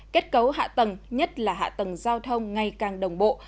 kết cấu hạ tầng nhất là hạ tầng giao thông ngày càng đồng bộ